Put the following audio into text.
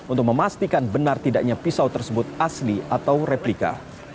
untuk memastikan benar tidaknya pisau tersebut asli atau replika